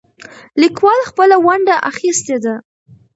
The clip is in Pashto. لیکوال خپله ونډه اخیستې ده.